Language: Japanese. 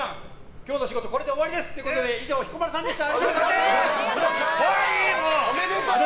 今日の仕事これで終わりです！ということで以上、彦摩呂さんでした！